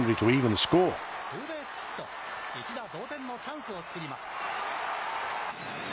一打同点のチャンスを作ります。